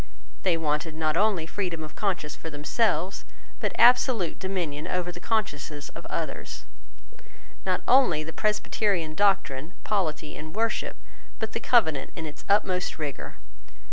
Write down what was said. They wanted not only freedom of conscience for themselves, but absolute dominion over the consciences of others; not only the Presbyterian doctrine, polity, and worship, but the Covenant in its utmost rigour.